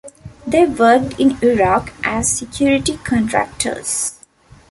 They worked in Iraq as security contractors.